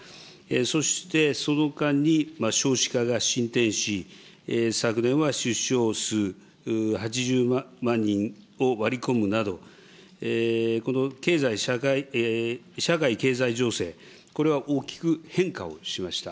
そしてその間に少子化が進展し、昨年は出生数８０万人を割り込むなど、この経済社会、社会経済情勢、これは大きく変化をしました。